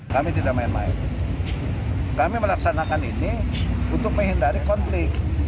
kami tidak main main kami melaksanakan ini untuk menghindari konflik